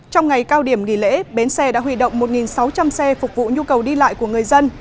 trong ngày cao điểm nghỉ lễ bến xe đã huy động một sáu trăm linh xe phục vụ nhu cầu đi lại của người dân